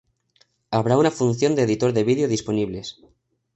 Habrá una función de editor de vídeo disponibles.